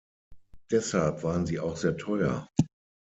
Deshalb waren sie auch sehr teuer.